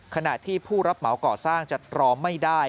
ขณะที่ผู้รับเหมาก่อสร้างจะตรอมไม่ได้